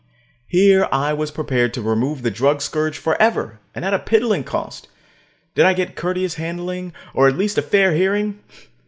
Here I was prepared to remove the drug scourge forever, and at a piddling cost. Did I get courteous handling, or at least a fair hearing?